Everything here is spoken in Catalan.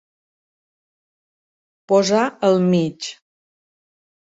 Posar al mig.